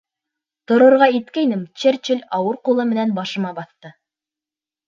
Торорға иткәйнем, Черчилль ауыр ҡулы менән башыма баҫты.